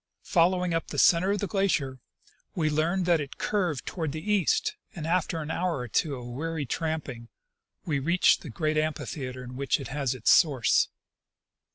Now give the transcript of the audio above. Following up the center of the glacier, we learned that it curved toward the east ; and after an hour or two of weary tramping we reached the great amphitheatre in which it has its source.